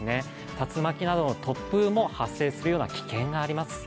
竜巻などの突風も発生する危険があります。